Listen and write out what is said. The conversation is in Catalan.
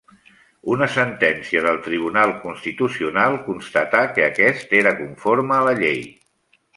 Una sentència del Tribunal Constitucional constatà que aquest era conforme a la llei.